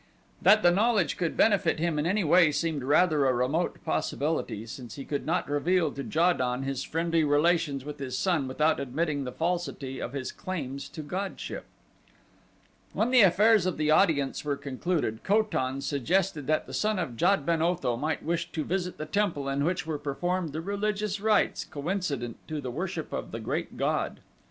That the knowledge would benefit him in any way seemed rather a remote possibility since he could not reveal to Ja don his friendly relations with his son without admitting the falsity of his claims to godship. When the affairs of the audience were concluded Ko tan suggested that the son of Jad ben Otho might wish to visit the temple in which were performed the religious rites coincident to the worship of the Great God.